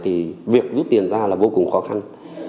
thì việc rút tiền ra là vô cùng khó khăn